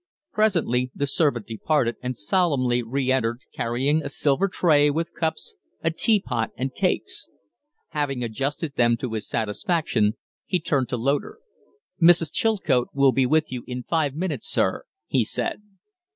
Presently the servant departed, and solemnly reentered carrying a silver tray, with cups, a teapot, and cakes. Having adjusted them to his satisfaction, he turned to Loder. "Mrs. Chilcote will be with you in five minutes, sir," he said.